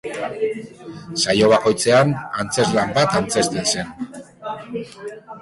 Saio bakoitzean antzezlan bat antzezten zen.